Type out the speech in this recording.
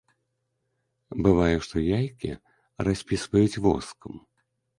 Бывае, што яйкі распісваюць воскам.